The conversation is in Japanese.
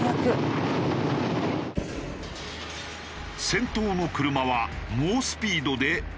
先頭の車は猛スピードで。